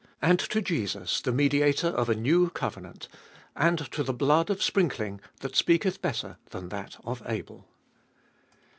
And to Jesus the Mediator of a new covenant, and to the blood of sprinkling that speaketh better than that of Abel.